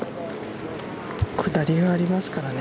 下りはありますからね。